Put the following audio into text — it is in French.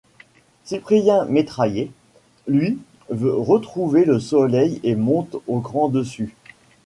Cyprien Métrailler, lui, veut retrouver le soleil et monte au Grand-Dessus.